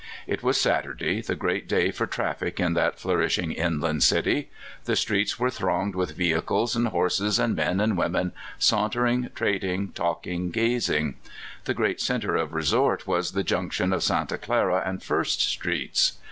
It was Saturday, the great day for traffic in that flourishing city. The Califvniia Traits. 171 streets were thronged with vehicles and horses, and men and women, sauntering, trading, talking, gaz mg. The great center of resort was the junction of ^anta Clara and First streets.